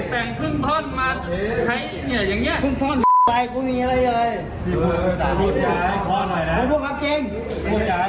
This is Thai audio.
พี่พูดจริงพี่พูดจริงพี่พูดจริงพี่พูดจริงพี่พูดจริงพี่พูดจริง